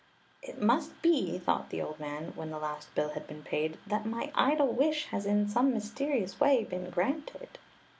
"It must be," thought the old man, when the last bill had been paid, "that my idle wish has in some mysterious way been granted."